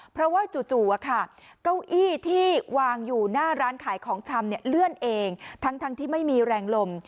เพราะว่าจู่เก้าอี้ที่วางอยู่หน้าร้านขายของชำเลื่อนเองทั้งที่ไม่มีแรงลม